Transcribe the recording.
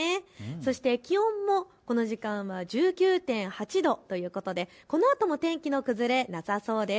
そして気温もこの時間は１９．８度ということでこのあとも天気の崩れなさそうです。